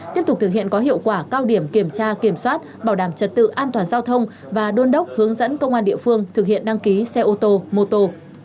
tiếp tục thực hiện có hiệu quả cao điểm kiểm tra kiểm soát bảo đảm trật tự an toàn giao thông và đôn đốc hướng dẫn công an địa phương thực hiện đăng ký xe ô tô mô tô